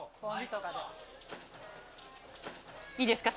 いいですか？